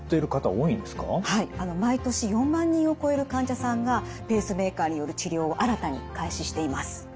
はい毎年４万人を超える患者さんがペースメーカーによる治療を新たに開始しています。